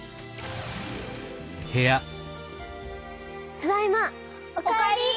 ただいま！お帰り！